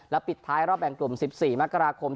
ปิดท้ายรอบแบ่งกลุ่ม๑๔มกราคม